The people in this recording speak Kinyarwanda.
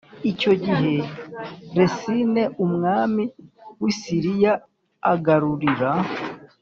Icyo gihe Resini umwami w i Siriya agarurira